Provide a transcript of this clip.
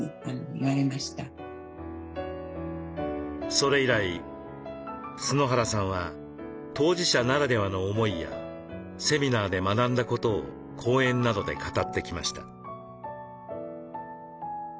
それ以来春原さんは当事者ならではの思いやセミナーで学んだことを講演などで語ってきました。